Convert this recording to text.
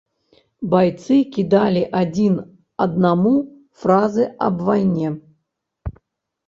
Байцы кідалі адзін аднаму фразы аб вайне.